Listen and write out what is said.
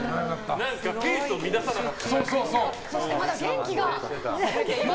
何かペースを乱さなかったね。